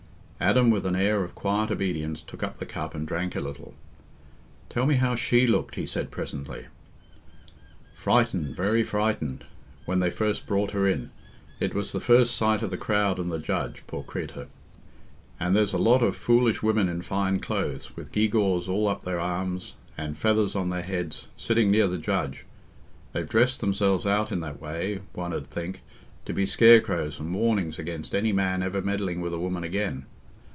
Adam, with an air of quiet obedience, took up the cup and drank a little. "Tell me how she looked," he said presently. "Frightened, very frightened, when they first brought her in; it was the first sight of the crowd and the judge, poor creatur. And there's a lot o' foolish women in fine clothes, with gewgaws all up their arms and feathers on their heads, sitting near the judge: they've dressed themselves out in that way, one 'ud think, to be scarecrows and warnings against any man ever meddling with a woman again.